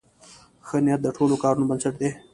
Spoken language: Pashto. ښه نیت د ټولو کارونو بنسټ دی.